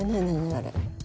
あれ。